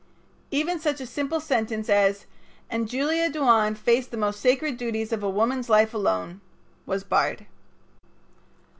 Even such a simple sentence as "And Julia Duane faced the most sacred duties of a woman's life alone" was barred.